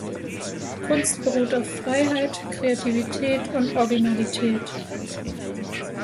Kunst beruht auf Freiheit, Kreativität und Originalität.